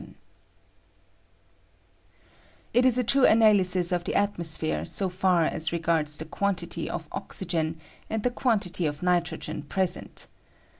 O It is a true analysis of the atmosphere so far as regards the quantity of oxygen and the quanti ty of nitrogen present.